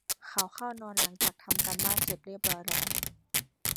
เขาเข้านอนหลังจากทำการบ้านเสร็จเรียบร้อยแล้ว